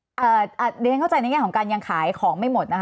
ในการเข้าใจในแง่ของการยังขายของไม่หมด